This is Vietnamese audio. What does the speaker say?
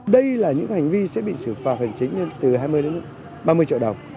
đây là những hành vi sẽ bị xử phạt hành chính từ hai mươi đến ba mươi triệu đồng